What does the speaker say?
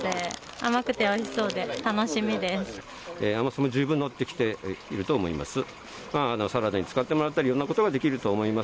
甘さも十分のってきていると思います。